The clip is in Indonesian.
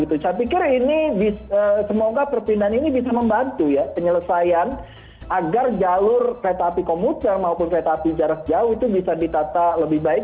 saya pikir ini semoga perpindahan ini bisa membantu ya penyelesaian agar jalur kereta api komuter maupun kereta api jarak jauh itu bisa ditata lebih baik